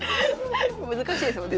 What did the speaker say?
難しいですもんね。